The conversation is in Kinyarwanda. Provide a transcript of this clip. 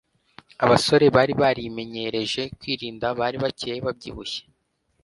abasore bari barimenyereje kwirinda bari bakeye, babyibushye